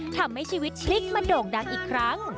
ทำให้ชีวิตพลิกมาโด่งดังอีกครั้ง